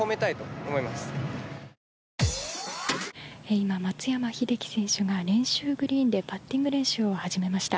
今、松山英樹選手が練習グリーンでパッティング練習を始めました。